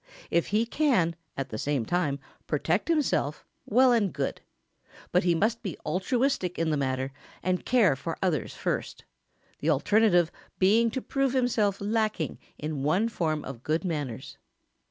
If he can, at the same time, protect himself, well and good; but he must be altruistic in the matter and care for others first; the alternative being to prove himself lacking in one form of good manners.